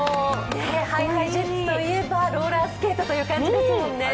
ＨｉＨｉＪｅｔｓといえば、ローラースケートという感じですよね。